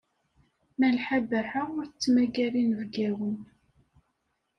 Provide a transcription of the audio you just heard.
Malḥa Baḥa ur tettmagar inebgawen.